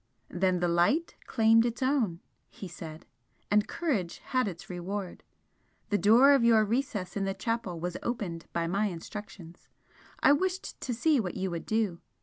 "Then the Light claimed its own," he said "and courage had its reward! The door of your recess in the chapel was opened by my instructions, I wished to see what you would do.